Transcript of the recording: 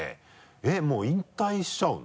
えっもう引退しちゃうんだ？